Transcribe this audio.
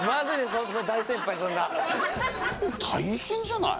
ホント大先輩にそんな大変じゃない？